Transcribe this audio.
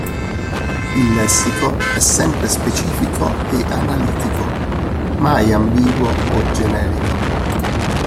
Il lessico è sempre specifico e analitico, mai ambiguo o generico.